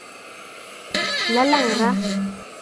Lalang raa